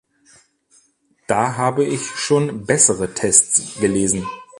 Da habe ich schon bessere Tests gelesen.